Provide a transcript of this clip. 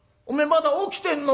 まだ起きてんのか？」。